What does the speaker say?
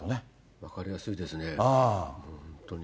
分かりやすいですよね、本当に。